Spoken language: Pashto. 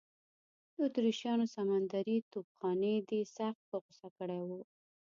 د اتریشیانو سمندري توپخانې دی سخت په غوسه کړی و.